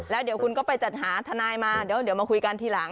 แล้วเดี๋ยวคุณก็ไปจัดหาทนายมาเดี๋ยวมาคุยกันทีหลัง